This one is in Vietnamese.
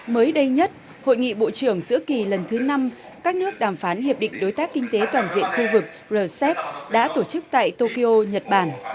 mới đây nhất hội nghị bộ trưởng giữa kỳ lần thứ năm các nước đàm phán hiệp định đối tác kinh tế toàn diện khu vực rcep đã tổ chức tại tokyo nhật bản